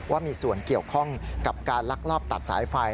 ว่ามีส่วนเกี่ยวข้องกับการลักลอบตัดสายไฟ